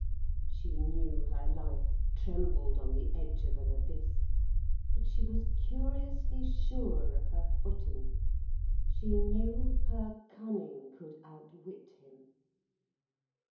She knew her life trembled on the edge of an abyss. But she was curiously sure of her footing. She knew her cunning could outwit him.